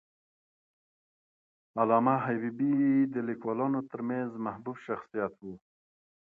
علامه حبیبي د لیکوالانو ترمنځ محبوب شخصیت و.